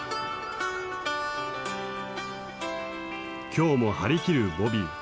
今日も張り切るボビー。